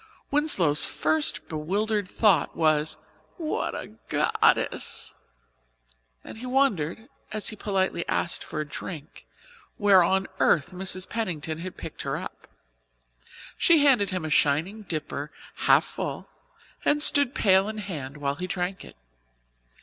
Winslow's first bewildered thought was "What a goddess!" and he wondered, as he politely asked for a drink, where on earth Mrs. Pennington had picked her up. She handed him a shining dipper half full and stood, pail in hand, while he drank it.